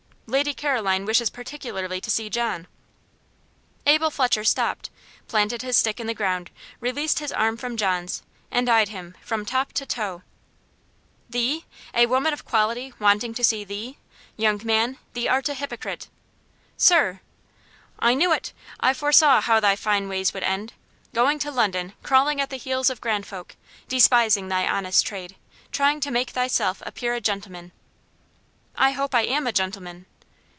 "Lady Caroline wishes particularly to see John." Abel Fletcher stopped, planted his stick in the ground, released his arm from John's, and eyed him from top to toe. "Thee? a woman of quality wanting to see THEE? Young man, thee art a hypocrite." "Sir!" "I knew it! I foresaw how thy fine ways would end! Going to London crawling at the heels of grand folk despising thy honest trade trying to make thyself appear a gentleman!" "I hope I am a gentleman."